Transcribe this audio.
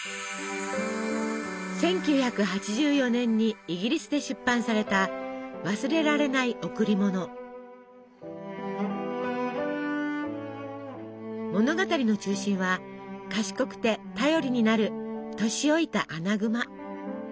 １９８４年にイギリスで出版された物語の中心は賢くて頼りになる年老いたアナグマ。